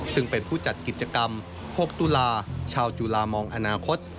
ซึ่งเป็นผู้จัดกิจกรรม๖ตุลาชาวจุลามองอนาคต